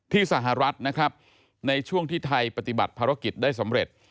สหรัฐนะครับในช่วงที่ไทยปฏิบัติภารกิจได้สำเร็จ